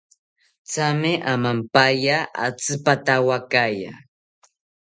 Thame amampaya atzipatawakaya